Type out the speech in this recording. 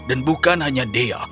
dan bukan hanya dia